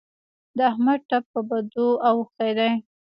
د احمد ټپ په بدو اوښتی دی.